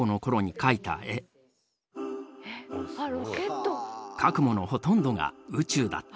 描くものほとんどが宇宙だった。